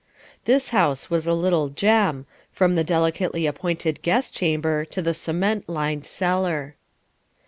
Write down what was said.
This house was a little gem, from the delicately appointed guest chamber to the cement lined cellar.